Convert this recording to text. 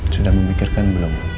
sudah memikirkan belum